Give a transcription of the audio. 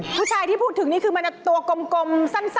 ผู้ชายที่พูดถึงนี่คือมันจะตัวกลมสั้น